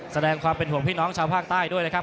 แสดงความเป็นห่วงพี่น้องชาวภาคใต้ด้วยนะครับ